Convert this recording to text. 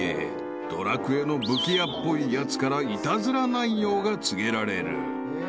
［『ドラクエ』の武器屋っぽいやつからイタズラ内容が告げられる］